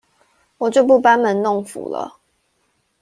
我就不班門弄斧了